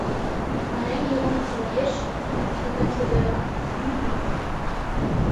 Пареҥге ломыж рокеш, шытен шудеак, кӱын возо.